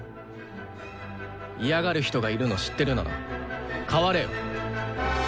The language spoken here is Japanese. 嫌がる人がいるの知ってるなら変われよ。